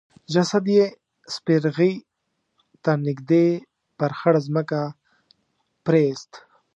جسد يې سپرغي ته نږدې پر خړه ځمکه پريېست.